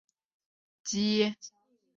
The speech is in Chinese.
家庭成员有父母及胞弟郑民基。